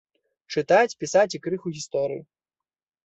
Чытаць, пісаць і крыху гісторыі.